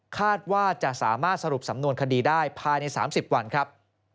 คาดว่าจะสามารถสรุปสำนวนคดีได้ภายใน๓๐วันครับ